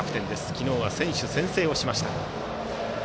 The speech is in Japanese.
昨日は選手宣誓をしました。